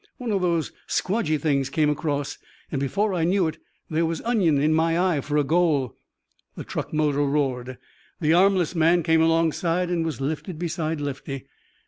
One of those squdgy things came across, and before I knew it, there was onion in my eye for a goal." The truck motor roared. The armless man came alongside and was lifted beside Lefty.